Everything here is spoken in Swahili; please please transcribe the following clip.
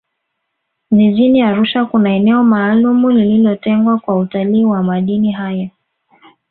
jijini arusha kuna eneo maalumu lililotengwa kwa utalii wa madini hayo